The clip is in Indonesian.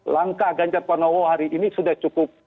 langkah ganjar panowo hari ini sudah cukup